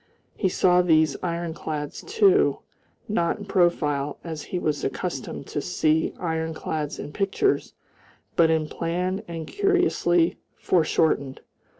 He saw these ironclads, too, not in profile, as he was accustomed to see ironclads in pictures, but in plan and curiously foreshortened.